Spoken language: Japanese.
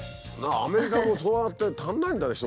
アメリカもそうやって足んないんだね